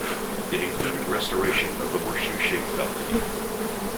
It included restoration of the horseshoe-shaped balcony.